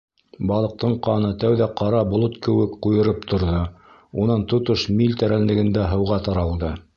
Балыҡтың ҡаны тәүҙә ҡара болот кеүек ҡуйырып торҙо, унан тотош миль тәрәнлегендә һыуға таралды.